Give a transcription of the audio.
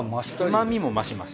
旨みも増します。